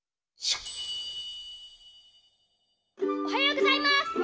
おはようございます！